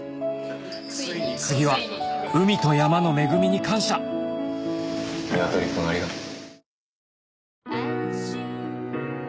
次は海と山の恵みに感謝ニワトリ君ありがとう。